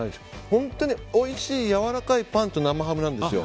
本当においしい、やわらかいパンと生ハムなんですよ。